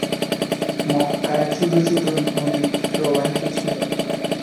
মক্কায় ছোট ছোট নদী প্রবাহিত ছিল।